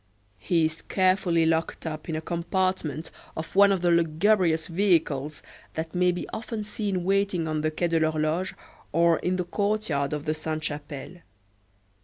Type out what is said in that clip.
He is carefully locked up in a compartment of one of the lugubrious vehicles that may be often seen waiting on the Quai de l'Horloge, or in the courtyard of the Sainte Chapelle.